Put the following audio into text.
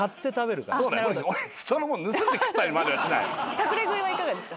隠れ食いはいかがですか？